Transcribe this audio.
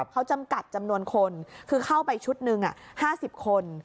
เขาจำกัดจำนวนคนคือเข้าไปชุดหนึ่ง๕๐คน